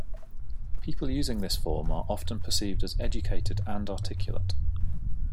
People using this form are often perceived as educated and articulate.